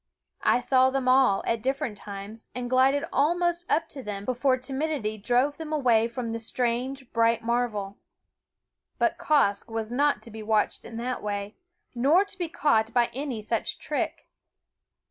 I saw them all, at different times, and glided almost up to them before timidity drove them away from the strange bright marvel. But Quoskh was not to be watched in that way, nor to be caught by any such trick.